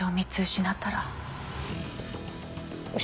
失ったら？